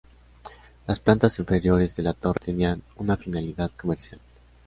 Las plantas inferiores de la torre tenían una finalidad comercial.